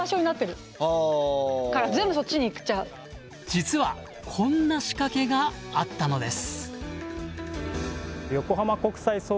実はこんな仕掛けがあったのです。